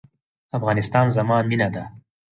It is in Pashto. افغانستان زما مینه ده؟